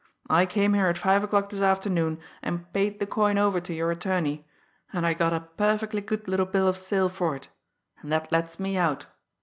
I came here at five o'clock this afternoon, and paid the coin over to your attorney, and I got a perfectly good little Bill of Sale for it and that lets me out.